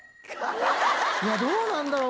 いやどうなんだろう。